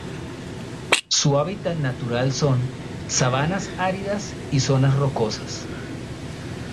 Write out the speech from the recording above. Su hábitat natural son: sabanas áridas y zonas rocosas.